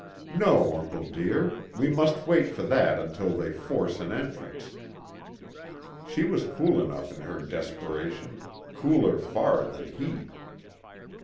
"No, uncle dear. We must wait for that until they force an entrance." She was cool enough in her desperation, cooler far than he.